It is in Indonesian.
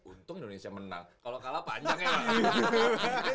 untung indonesia menang kalau kalah panjang ya